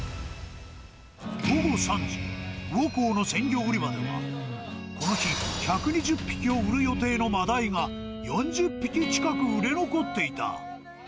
午後３時、魚幸の鮮魚売り場では、この日、１２０匹を売る予定のマダイが４０匹近く売れ残っていた。